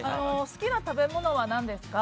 好きな食べ物は何ですか？